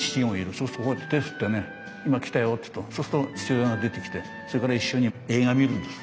そうするとこうやって手ぇ振ってね今来たよって言うとそうすると父親が出てきてそれから一緒に映画見るんです。